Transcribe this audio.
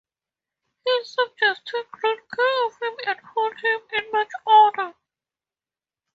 His subjects take great care of him and hold him in much honor.